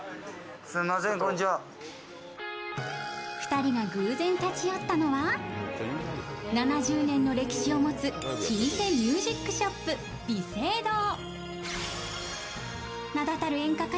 ２人が偶然立ち寄ったのは７０年の歴史を持つ老舗ミュージックショッブ美声堂。